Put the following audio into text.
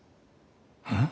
うん？